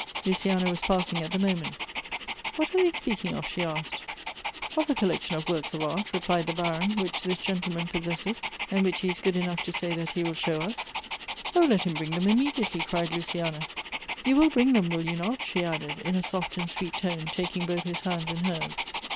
Luciana was passing at the moment. " What are they speaking of? " she asked. " Of a collection of works of art," replied the Baron, " which this gentleman possesses, and which he is good enough to say that he will show us." " Oh, let him bring them immediately," cried Luciana, "you will bring them, will you not?" she added, in a soft and sweet tone, taking both his hands in hers.